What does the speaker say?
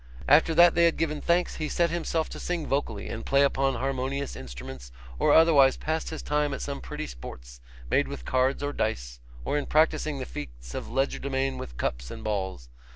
After that they had given thanks, he set himself to sing vocally, and play upon harmonious instruments, or otherwise passed his time at some pretty sports, made with cards or dice, or in practising the feats of legerdemain with cups and balls.